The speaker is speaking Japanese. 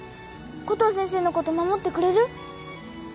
コトー先生のこと守ってくれる？